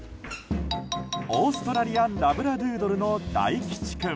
オーストラリアン・ラブラドゥードルのだいきち君。